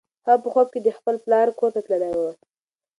هغه په خوب کې د خپل پلار کور ته تللې وه.